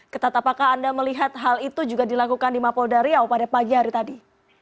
ketat apakah anda melihat hal itu juga dilakukan di mapolda riau pada pagi hari tadi